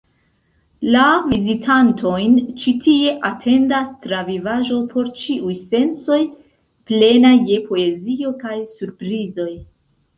La vizitantojn ĉi tie atendas travivaĵo por ĉiuj sensoj, plena je poezio kaj surprizoj.